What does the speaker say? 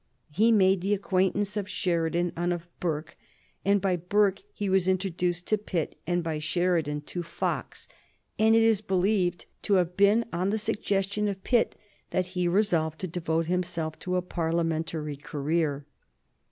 He made the acquaintance of Sheridan and of Burke; by Burke he was introduced to Pitt, and by Sheridan to Fox, and it is believed to have been on the suggestion of Pitt that he resolved to devote himself to a Parliamentary career.